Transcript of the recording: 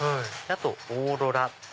あとオーロラ。